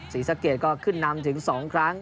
ศรีสะเกดก็ขึ้นนำถึง๒ครั้ง